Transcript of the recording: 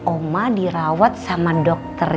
oma dirawat sama dokter